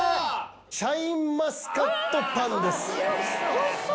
おいしそう。